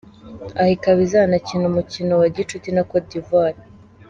Aha ikaba izanakina umukino wa gicuti na Cote d’Ivoire.